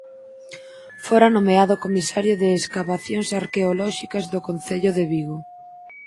Fora nomeado comisario de escavacións arqueolóxicas do concello de Vigo.